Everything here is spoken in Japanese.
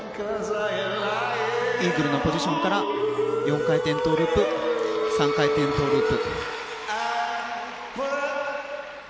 イーグルのポジションから４回転トウループ３回転トウループ。